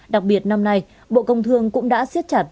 đặc biệt năm nay bộ công thương cũng đã siết chặt